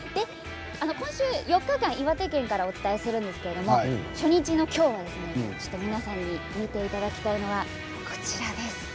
今週４日間、岩手県からお伝えするんですけども初日の今日は皆さんに見ていただきたいのはこちらです。